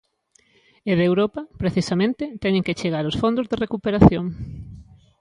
E de Europa, precisamente, teñen que chegar os fondos de recuperación.